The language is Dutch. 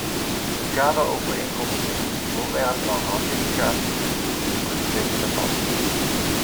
De kaderovereenkomst is nu voorwerp van ratificatie door de ondertekenende landen.